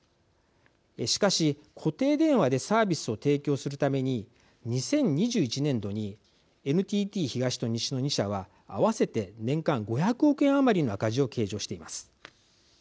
しかし、固定電話でサービスを提供するために２０２１年度にＮＴＴ東と西の２社は合わせて年間５００億円余りの赤字を計上しています。